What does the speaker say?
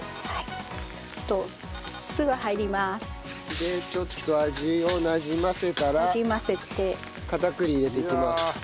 でちょっと味をなじませたら片栗入れていきます。